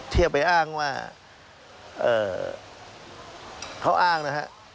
เทียบไปอ้างว่าเขาอ้างนะครับ